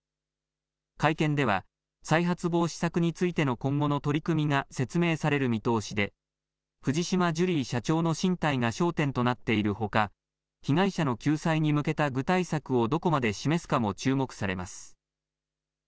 会見では再発防止策についての今後の取り組みが説明される見通しで藤島ジュリー社長の進退が焦点となっているほか被害者の救済に向けた具体策をどこまで示すかも注目されます。